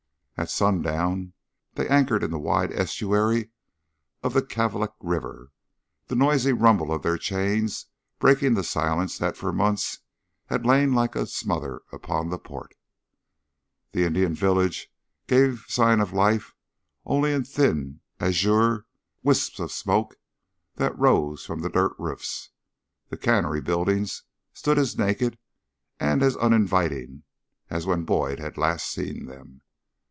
At sundown they anchored in the wide estuary of the Kalvik River, the noisy rumble of their chains breaking the silence that for months had lain like a smother upon the port. The Indian village gave sign of life only in thin, azure wisps of smoke that rose from the dirt roofs; the cannery buildings stood as naked and uninviting as when Boyd had last seen them.